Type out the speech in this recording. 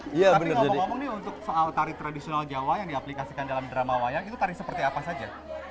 tapi ngomong ngomong nih untuk soal tari tradisional jawa yang diaplikasikan dalam drama wayang itu tari seperti apa saja